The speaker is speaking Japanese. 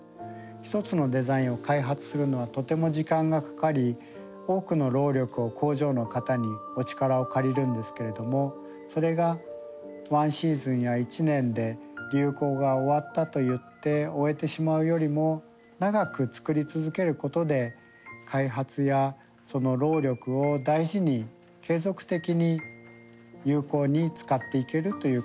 一つのデザインを開発するのはとても時間がかかり多くの労力を工場の方にお力を借りるんですけれどもそれがワンシーズンや１年で流行が終わったといって終えてしまうよりも長く作り続けることで開発やその労力を大事に継続的に有効に使っていけるということがあるからです。